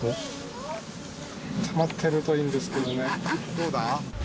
どうだ？